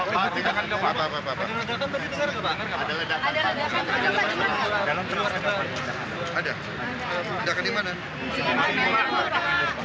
ya untuk anak anak muda